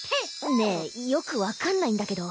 ねえよくわかんないんだけど。